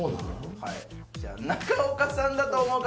はいじゃあ中岡さんだと思う方